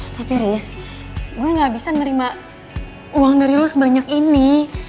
tapi riz gue gak bisa nerima uang dari lo sebanyak ini